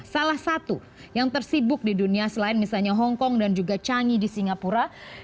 salah satu yang tersibuk di dunia selain misalnya hongkong dan juga changi di singapura